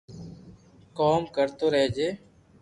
ڪوم ڪرتو رھجي